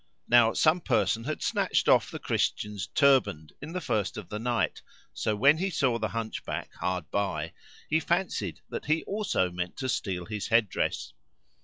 Now some person had snatched off the Christian's turband[FN#506] in the first of the night; so when he saw the Hunchback hard by he fancied that he also meant to steal his headdress.